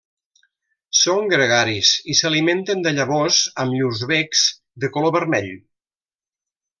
Són gregaris i s'alimenten de llavors amb llurs becs, de color vermell.